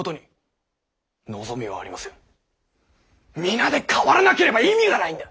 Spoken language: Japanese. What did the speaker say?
皆で変わらなければ意味がないんだ。